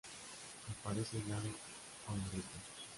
Aparece aislado o en grupos.